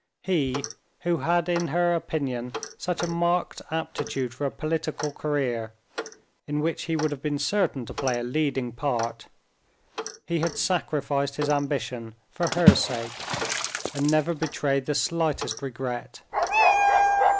He, who had in her opinion such a marked aptitude for a political career, in which he would have been certain to play a leading part—he had sacrificed his ambition for her sake, and never betrayed the slightest regret.